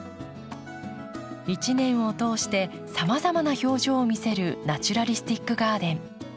一年を通してさまざまな表情を見せるナチュラリスティックガーデン。